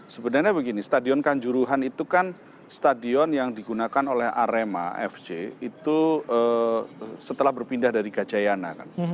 sebenarnya begini stadion kanjuruhan itu kan stadion yang digunakan oleh arema fc itu setelah berpindah dari gajayana kan